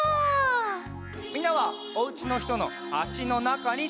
みんなはおうちのひとのあしのなかにすわってください。